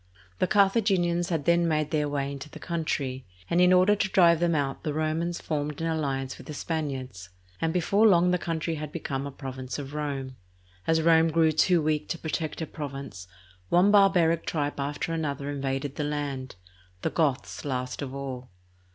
The Car thaginians had then made their way into the country, and in order to drive them out the Romans formed an alliance with the Spaniards, and before long the country had become a province of Rome. As Rome grew too weak to protect her province, one barbaric tribe after another invaded the land, the Goths last of all.